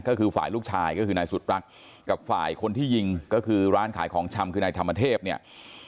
ก็คือฝ่ายลูกชายก็คือนายสุดรักกับฝ่ายคนที่ยิงก็คือร้านขายของชำคือนายธรรมเทพเนี่ย